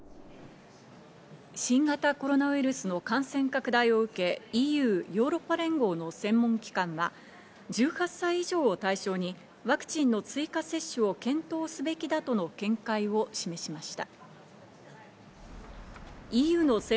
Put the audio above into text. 新型コロナウイルスの感染拡大を受け、ＥＵ＝ヨーロッパ連合の専門機関は１８歳以上を対象にワクチンの追加接種を検討すべきだとの見解を示しました。